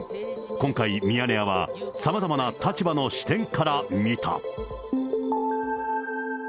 今回、ミヤネ屋は、さまざまな立場の視点から見た。